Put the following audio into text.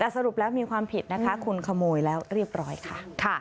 แต่สรุปแล้วมีความผิดนะคะคุณขโมยแล้วเรียบร้อยค่ะ